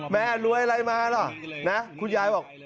แม่รวยอะไรมาล่ะนะคุณยายบอก